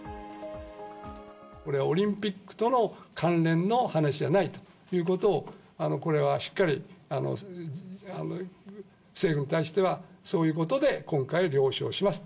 これはオリンピックとの関連の話じゃないということを、これはしっかり、政府に対しては、そういうことで今回、了承しますと。